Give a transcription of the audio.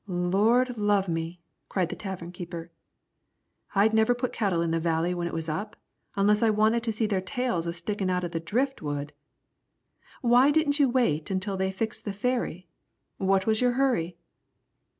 "Lord love me!" cried the tavern keeper, "I'd never put cattle in the Valley when it was up, unless I wanted to see their tails a stickin' out o' the drift wood. Why didn't you wait until they fixed the ferry? What was your hurry?"